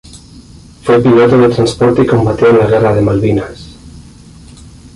Fue piloto de transporte y combatió en la Guerra de Malvinas.